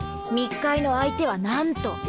密会の相手はなんと」。